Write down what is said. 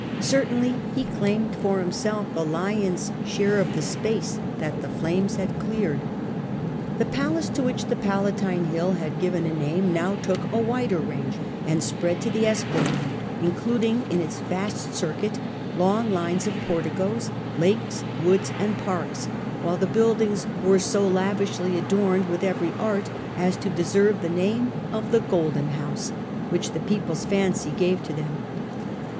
Certainly he claimed for himself the lion^s share of the space that the flames had cleared. The palace to which the Ikdatine hill had given a name now took a wider range and spread to the Esqui line, including in its vast circuit long lines of He had the porticoes, lakes, woods, and parks; while the buildings were so lavishly adorned with every built for him art as to deserve the name of the ' Golden splendid^ House ^ which the people's fancy gave to scale, them.